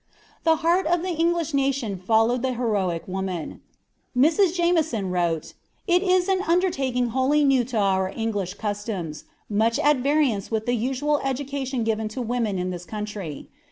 The heart of the English nation followed the heroic woman. Mrs. Jameson wrote: "It is an undertaking wholly new to our English customs, much at variance with the usual education given to women in this country.